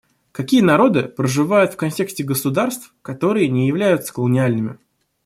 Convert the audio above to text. Какие народы проживают в контексте государств, которые не являются колониальными?